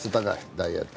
ダイエット。